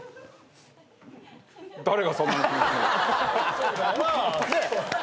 そうだよな。